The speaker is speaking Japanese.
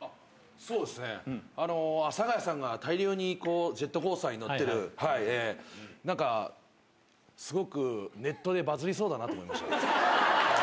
あっ、そうっすね、阿佐ヶ谷さんが大量にこう、ジェットコースターに乗ってる、なんか、すごくネットでバズりそうだなって思いました。